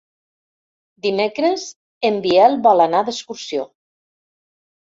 Dimecres en Biel vol anar d'excursió.